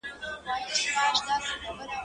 که وخت وي، پلان جوړوم؟